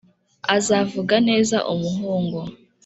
uzavuga neza umuhungu